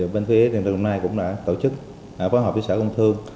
bên phía điện lực đồng nai cũng đã tổ chức phối hợp với sở công thương